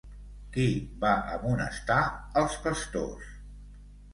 Qui va amonestar els pastors?